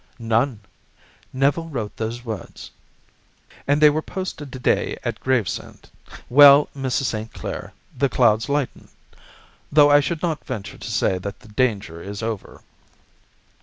"None. Neville wrote those words." "And they were posted to day at Gravesend. Well, Mrs. St. Clair, the clouds lighten, though I should not venture to say that the danger is over."